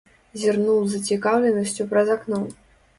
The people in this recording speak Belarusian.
Зірнуў з зацікаўленасцю праз акно.